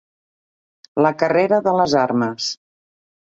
La carrera de les armes.